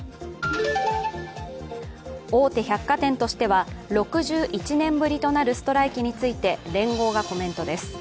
大手百貨店としては６１年ぶりとなるストライキについて連合がコメントです。